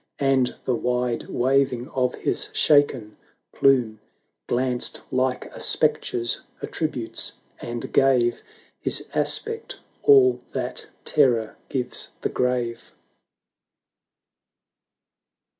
And the wide waving of his shaken plume. Glanced ■ like a spectre's attributes — and gave His aspect all that terror gives the grave.